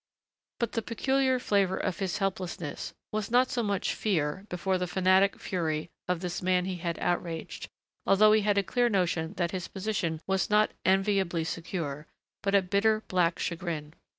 But the peculiar flavor of his helplessness was not so much fear before the fanatic fury of this man he had outraged, although he had a clear notion that his position was not enviably secure, but a bitter, black chagrin.